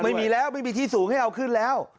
ไม่มีแล้วไม่มีที่สูงให้เอาขึ้นแล้ว